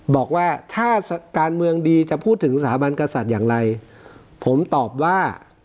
บอกว่าถ้าการเมืองดีจะพูดถึงสถาบันกษัตริย์อย่างไรผมตอบว่า